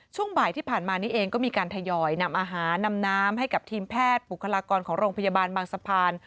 ช่วงบ่ายที่ผ่านมานี้เองก็มีการทยอยนำอาหารนำน้ำให้กับทีมแพทย์บุคลากรของโรงพยาบาลบางสะพาน